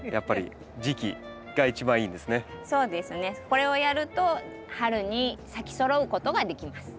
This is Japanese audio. これをやると春に咲きそろうことができます。